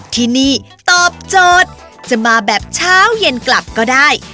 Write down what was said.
ที่นี่ตอบโจทย์จะมาแบบเช้าเย็นกลับก็ได้